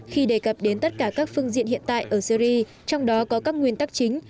khi đề cập đến tất cả các phương diện hiện tại ở syri trong đó có các nguyên tắc chính